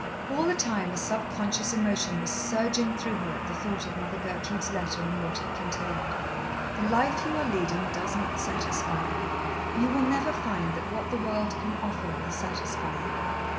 All the time a subconscious emotion was surging through her at the thought of Mother Gertrude's letter and what it contained. "The life you are leading does not satisfy you. You will never find that what the world can offer will satisfy you."